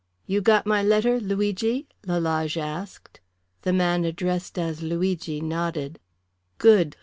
"You got my letter, Luigi?" Lalage asked. The man addressed as Luigi nodded. "Good!"